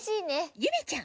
ゆめちゃん！